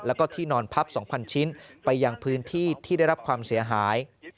แล้วก็ที่นอนพับ๒๐๐ชิ้นไปยังพื้นที่ที่ได้รับความเสียหาย